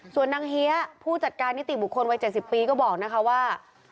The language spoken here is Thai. ส่วนนางเฮียผู้จัดการนิติบุคคลวัย๗๐ปีก็บอกนะคะว่า